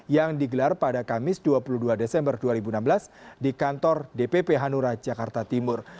yang digelar pada kamis dua puluh dua desember dua ribu enam belas di kantor dpp hanura jakarta timur